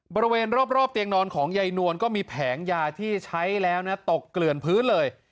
บริเวณรอบเตียงนอนของยายนวลก็มีแผงยาที่ใช้แล้วนะตกเกลื่อนพื้นเลย